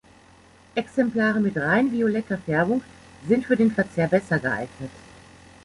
Exemplare mit rein violetter Färbung sind für den Verzehr besser geeignet.